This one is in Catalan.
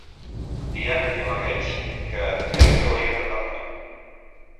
Diana diu a Gage que "crec que hauríem de parlar".